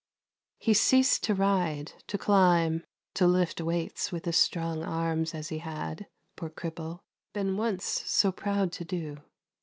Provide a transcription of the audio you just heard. He ceased to ride, to climb, to lift weights with his strong arms as he had — poor cripple — been once so proud to do.